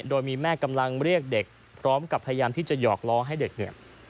โดยมีแม่กำลังเรียกเด็กพร้อมกับพยายามที่จะหยอกล้อให้เด็กเนี่ย